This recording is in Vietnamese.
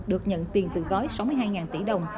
được nhận tiền từ gói sáu mươi hai tỷ đồng